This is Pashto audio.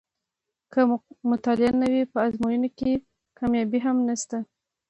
که مطالعه نه وي په ازموینو کې کامیابي هم نشته.